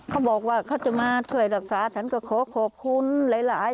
เขาบอกว่าเขาจะมาช่วยรักษาฉันก็ขอขอบคุณหลาย